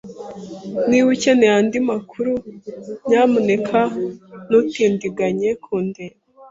Niba ukeneye andi makuru, nyamuneka ntutindiganye kundeba.